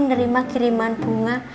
nerima kiriman bunga